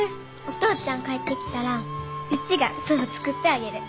お父ちゃん帰ってきたらうちがそば作ってあげる！